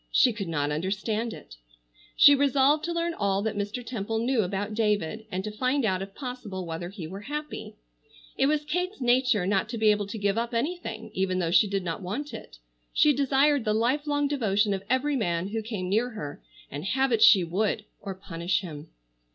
She could not understand it. She resolved to learn all that Mr. Temple knew about David, and to find out if possible whether he were happy. It was Kate's nature not to be able to give up anything even though she did not want it. She desired the life long devotion of every man who came near her, and have it she would or punish him.